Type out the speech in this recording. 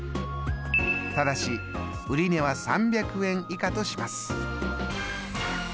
ただし売値は３００円以下とします。